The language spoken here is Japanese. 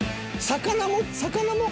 魚も？